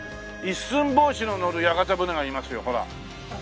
一寸法師の乗る屋形船がいますよほら。